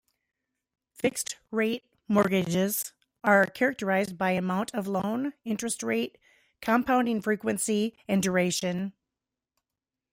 Fixed-rate mortgages are characterized by amount of loan, interest rate, compounding frequency, and duration.